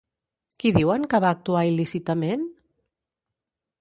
Qui diuen que va actuar il·lícitament?